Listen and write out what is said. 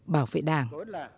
bảo vệ đảng